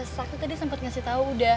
sakti tadi sempat ngasih tau udah